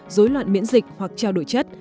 rối loạn miễn dịch hoặc trao đổi chất